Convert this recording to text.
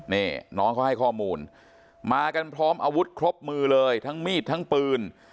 นี่น้องเขาให้ข้อมูลมากันพร้อมอาวุธครบมือเลยทั้งมีดทั้งปืน